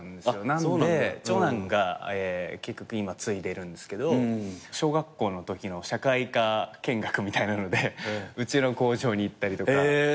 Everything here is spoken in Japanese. なので長男が結局今継いでるんですけど小学校のときの社会科見学みたいなのでうちの工場に行ったりとか。